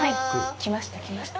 来ました来ました。